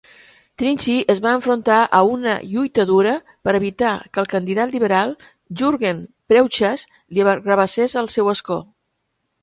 Trynchy es va enfrontar a una lluita dura per a evitar que el candidat liberal Jurgen Preugschas li arrabassés el seu escó.